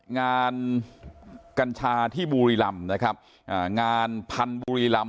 งานกัญชาที่บุรีลัมส์งานพันธุ์บุรีลัมส์